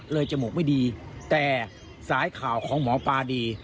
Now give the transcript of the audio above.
จมูกไม่ดีแต่สายข่าวของหมอปลาดี